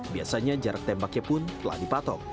biasanya jarak tembaknya pun telah dipatok